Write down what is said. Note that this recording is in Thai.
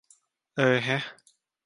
เออแฮะ